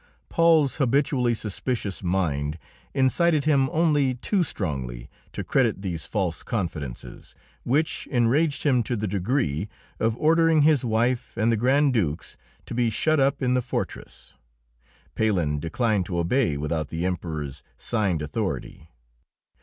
Paul's habitually suspicious mind incited him only too strongly to credit these false confidences, which enraged him to the degree of ordering his wife and the Grand Dukes to be shut up in the fortress. Palhen declined to obey without the Emperor's signed authority.